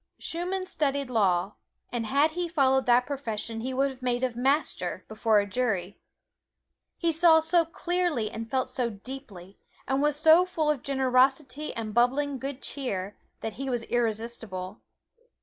Schumann studied law, and had he followed that profession he would have made a master before a jury. He saw so clearly and felt so deeply, and was so full of generosity and bubbling good cheer, that he was irresistible.